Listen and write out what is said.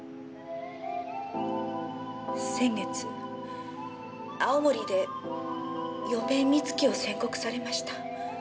先月青森で余命三月を宣告されました。